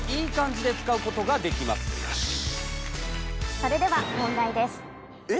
それでは問題です。えっ？